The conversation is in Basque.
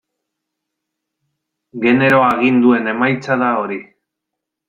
Genero aginduen emaitza da hori.